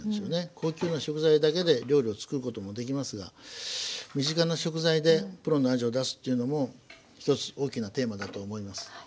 高級な食材だけで料理を作ることもできますが身近な食材でプロの味を出すっていうのも一つ大きなテーマだと思います。